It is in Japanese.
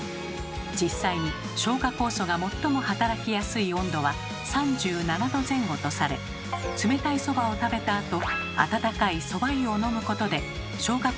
実際に消化酵素が最も働きやすい温度は３７℃前後とされ冷たいそばを食べたあと温かいそば湯を飲むことで消化